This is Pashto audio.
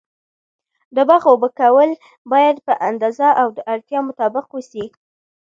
د باغ اوبه کول باید په اندازه او د اړتیا مطابق و سي.